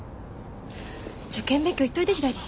受験勉強行っといでひらり。